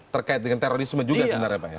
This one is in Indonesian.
terkait dengan terorisme juga sebenarnya pak ya